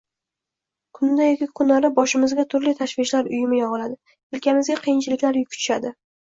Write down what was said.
Kunda yoki kunora boshimizga turli tashvishlar uyumi yogʻiladi, yelkamizga qiyinchiliklar yuki tushadi